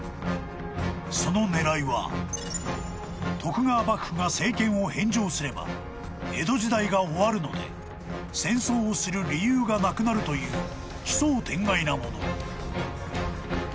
［その狙いは徳川幕府が政権を返上すれば江戸時代が終わるので戦争をする理由がなくなるという奇想天外なもの］